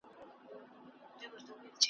خپل ګودر ورته عادت وي ورښودلی ,